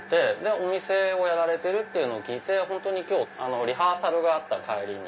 お店をやられてるって聞いて今日リハーサルがあった帰りに。